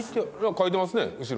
書いてますね後ろ。